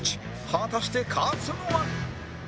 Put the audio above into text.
果たして勝つのは？